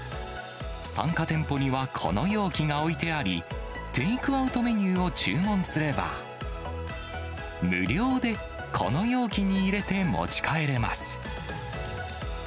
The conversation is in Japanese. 参加店舗には、この容器が置いてあり、テイクアウトメニューを注文すれば、無料でこの容器に入れて持ち帰れます。